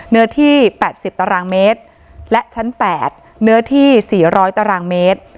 เนื้อที่๘๐ตารางเมตรและชั้น๘เนื้อที่๔๐๐ตารางเมตร